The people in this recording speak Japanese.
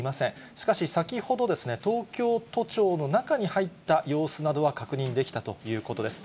しかし、先ほど東京都庁の中に入った様子などは確認できたということです。